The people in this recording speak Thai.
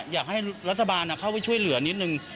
อยากให้รัฐบาลเข้าไปช่วยเหลือนิดนึง